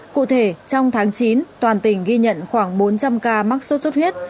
cụ thể trong tháng chín toàn tỉnh ghi nhận khoảng bốn trăm linh ca mắc suất huyết